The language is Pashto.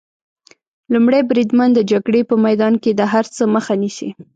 لومړی بریدمن د جګړې په میدان کې د هر څه مخه نیسي.